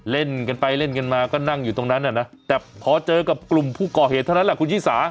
เล่นกันไปเล่นกันมาก็นั่งอยู่ตรงนั้นน่ะนะแต่พอเจอกับกลุ่มผู้ก่อเหตุเท่านั้นแหละคุณชิสา